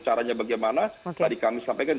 caranya bagaimana tadi kami sampaikan